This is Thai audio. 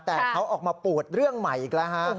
แต่เขาออกมาปวดเรื่องใหม่อีกแล้วฮะ